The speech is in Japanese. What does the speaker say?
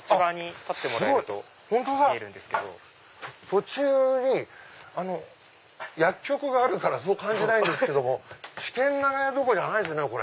途中に薬局があるからそう感じないんですけども七軒長屋どころじゃないですね